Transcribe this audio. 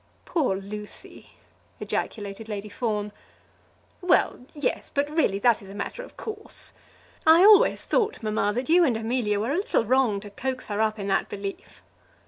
"Poor Lucy!" ejaculated Lady Fawn. "Well; yes; but really that is a matter of course. I always thought, mamma, that you and Amelia were a little wrong to coax her up in that belief."